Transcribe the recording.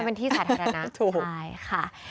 มันเป็นที่สาธารณะใช่ค่ะถูก